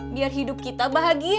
biar hidup kita bahagia